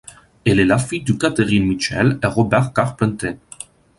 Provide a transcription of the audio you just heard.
Elle est la fille de Catherine Mitchell et Robert Carpenter.